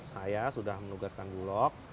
saya sudah menugaskan bulog